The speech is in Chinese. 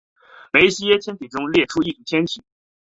梅西耶天体中列出的一组天体。